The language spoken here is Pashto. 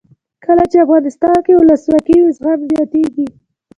کله چې افغانستان کې ولسواکي وي زغم زیاتیږي.